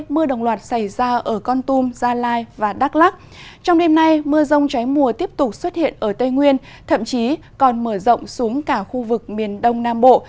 mưa rông trái mùa tiếp tục xuất hiện ở tây nguyên thậm chí còn mở rộng xuống cả khu vực miền đông nam bộ